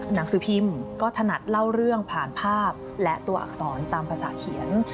หนังสือพิมพ์ก็ถนัดเล่าเรื่องผ่านภาพและตัวอักษรตามภาษาเขียน